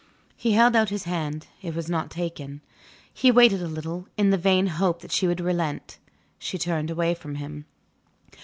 He held out his hand; it was not taken. He waited a little, in the vain hope that she would relent: she turned away from him.